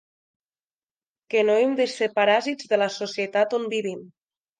Que no hem de ser paràsits de la societat on vivim.